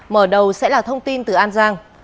mở đầu sẽ là thông tin từ an giang